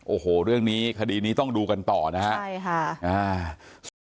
โอ้โหเรื่องนี้คดีนี้ต้องดูกันต่อนะครับ